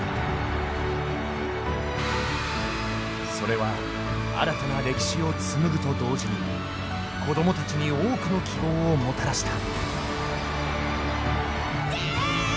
それは新たな歴史を紡ぐと同時に子どもたちに多くの希望をもたらした。